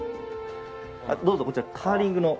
どうぞこちらカーリングの。